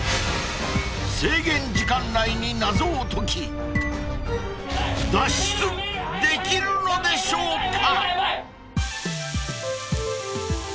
［制限時間内に謎を解き脱出できるのでしょうか？］